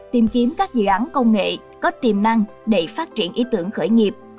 tìm kiếm các dự án công nghệ có tiềm năng để phát triển ý tưởng khởi nghiệp